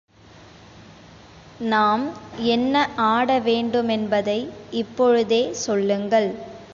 நாம் என்ன ஆட வேண்டுமென்பதை இப்பொழுதே சொல்லுங்கள்!